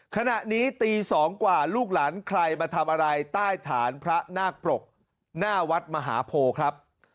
ขณะนี้ตี๒กว่าลูกหลานใครมาทำอะไรใต้ฐานพระนาคปรกหน้าวัดมหาโพครับ